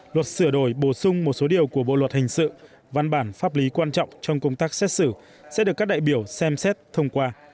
luật sửa đổi bổ sung một số điều của bộ luật hình sự văn bản pháp lý quan trọng trong công tác xét xử sẽ được các đại biểu xem xét thông qua